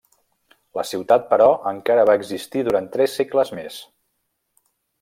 La ciutat però encara va existir durant tres segles més.